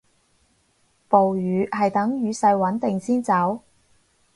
暴雨係等雨勢穩定先走